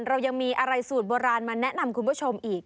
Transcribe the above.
เรายังมีอะไรสูตรโบราณมาแนะนำคุณผู้ชมอีก